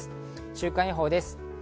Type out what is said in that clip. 週間予報です。